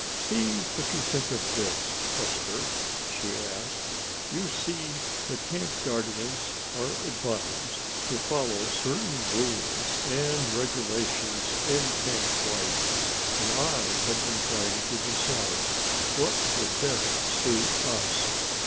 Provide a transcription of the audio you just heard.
"See what you think of this, Esther?" she asked. "You see the Camp Guardians are advised to follow certain rules and regulations in camp life and I have been trying to decide what would best suit us.